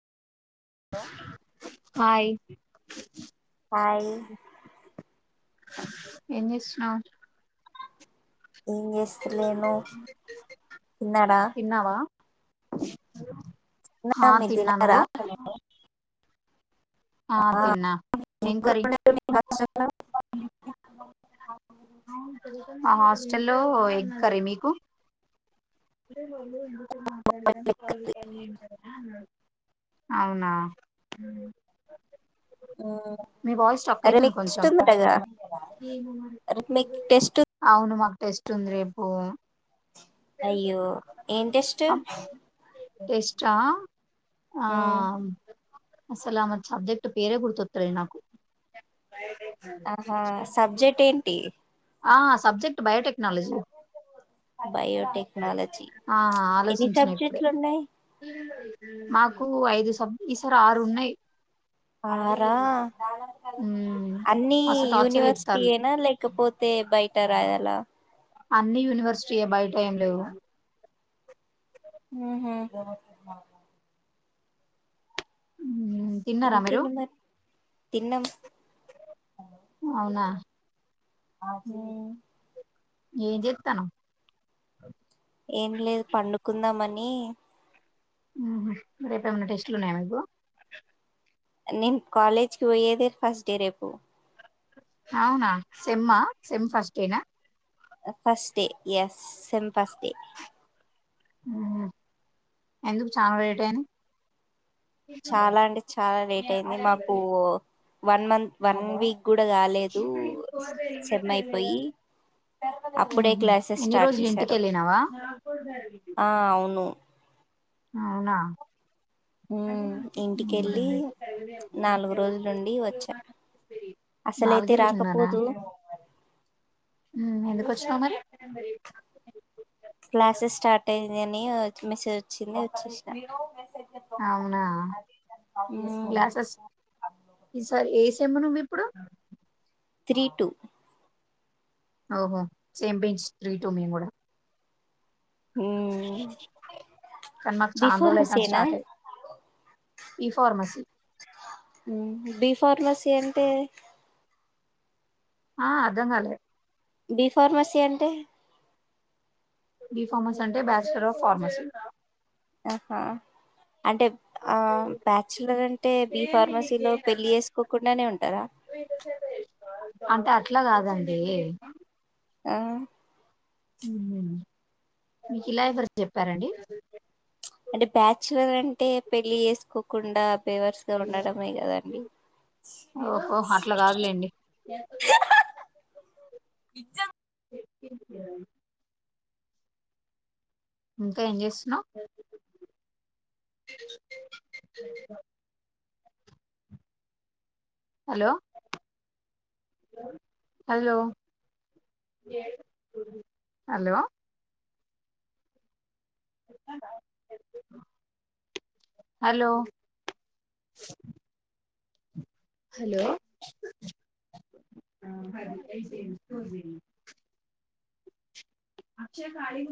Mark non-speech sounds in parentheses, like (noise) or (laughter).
hi hi ఏం చేస్తున్నావ్ ఏం చేస్తలేను తిన్నారా హలో తిన్నా మీరు తిన్నరా ఆ తిన్నా ఏం కర్రీ (inaudible) (inaudible) ఆ హాస్టల్లో ఎగ్ కర్రి మీకు పల్లి కర్రీ (inaudible) అవునా మీ వాయిస్ స్ట్రక్ రేపు అయితుంది మీకు టెస్ట్ కొంచెం ఉంది ఆట గా అరె మీకు టెస్ట్ ఉంది ఆట గా అవును మాకు టెస్ట్ ఉంది రేపు అయ్యో ఏం టెస్ట్ అమ్, టెస్టా ఆ మ్మ్ అసలు ఆమె సబ్జెక్ట్ పేరే గుర్తువాతలే నాకు ఆహా సబ్జెక్ట్ ఏంటి ఆ సబ్జెక్ట్ బయోటెక్నాలజీ బయోటెక్ టెక్నాలజీ ఆ ఎన్ని ఆలోచించిన ఇప్పుడే సబ్జెక్ట్లు ఉన్నాయి మాకు ఐదు సబ్ ఈసారి ఆరు ఉన్నాయి ఆ రా ఉమ్, అన్ని మస్తు టార్చర్ చేత్తాళ్ళు యూనివర్సిటీయేన లేకపోతే బయట రాయలా అన్ని యూనివర్సిటి ఏ బయట ఏం లేవు హుహు ఉ ఇంకేంటి మరి తిన్నం అవునా అది ఏం చెతానవు ఏం లేదు పండుకుందామని నీ రేపు ఏమైన్నా టెస్ట్లు ఉన్నాయా మీకు నేను కాలేజ్కి పోయ్యేదే ఫస్ట్ డే రేపు అవునా సేమ్మ సేమ్ ఫస్ట్ఏనా first day yes same first day ఎందుకు చాల లేటయింది చాలా అంటే చాలా లేట్ అయింది మాకు వన్ మంత్ వన్ వీక్ కూడా కాలేదు సేమ్ అయిపోయి అప్పుడే మ్మ్ క్లాసెస్ ఎన్ని స్టార్ట్ రోజులు చేశారు ఇంటికెళ్ళినావా ఆ అవును అవునా ఉమ్ ఇంటికెళ్ళి నాలుగు రోజులుండి వచ్చా అసలైతే నాలుగే రోజు ఉన్నారా రాకపోదు హు ఎం వచ్చ మరి క్లాసెస్ స్టార్ట్ అయింది అని మెసేజ్ వచ్చింది వచ్చేసినా అవునా క్లాసెస్ ఈసారి ఏ ఏమో నువ్ ఇప్పుడు త్రీ టూ ఓహో సేమ్ పించ్ త్రీ టూ మేం కూడా హు కానీ మాకు బి చానా రోజులు ఫార్మసీ అయితాంది ఏనా స్టార్ట్ అయ్యి ఈ ఫార్మసి బీఫార్మసీ అంటే ఆ అర్థం కాలే బి ఫార్మసి అంటే బి ఫార్మస్ అంటే బ్యాచలర్ ఆఫ్ ఫార్మసీ ఆహా అంటే ఆ బ్యాచలర్ అంటే బి ఫార్మసీలో పెళ్ళి చేసుకోకుండానే ఉంటారా అంటే అట్ల కాదండి ఆ హు మీకు ఇలా ఎవరు చెప్పారండి అంటే బ్యాచిలర్ అంటే పెళ్లి చేసుకోకుండా బేవార్స్ గా ఉండడమే కదండి ఓహో అట్లా కాదులేండి ఇచ్చ ఇచ్చానండి ఇంకా ఏం చేస్తున్నావ్ hello hello hello hello hello అచ్చ ఖాళీ